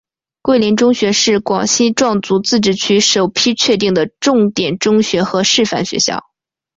桂林中学是广西壮族自治区首批确定的重点中学和示范学校。